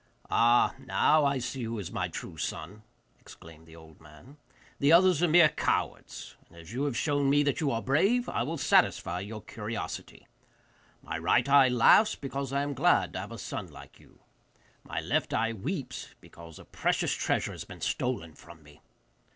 'Ah, now I see who is my true son,' exclaimed the old man; 'the others are mere cowards. And as you have shown me that you are brave, I will satisfy your curiosity. My right eye laughs because I am glad to have a son like you; my left eye weeps because a precious treasure has been stolen from me.